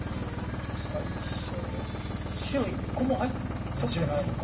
最初に白１個も取ってないのか。